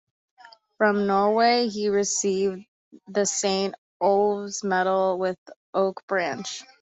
From Norway, he received the Saint Olav's medal with Oak Branch.